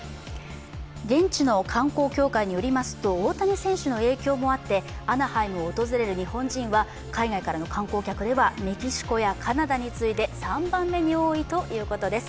現地の観光協会によりますと、大谷選手の影響もあって、アナハイムを訪れる日本人は海外からの観光客ではメキシコやカナダに次いで３番目に多いということです。